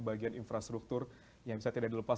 bagian infrastruktur yang bisa tidak dilepas